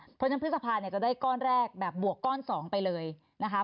เพราะฉะนั้นพฤษภาเนี่ยจะได้ก้อนแรกแบบบวกก้อน๒ไปเลยนะคะ